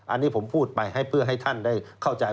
อันนี้ผมพูดไปให้เพื่อให้ท่านได้เข้าใจ